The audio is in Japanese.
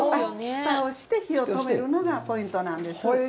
ふたをして火を止めるのがポイントなんです。